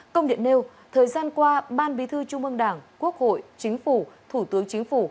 công điện nêu thời gian qua ban bí thư trung ương đảng quốc hội chính phủ thủ tướng chính phủ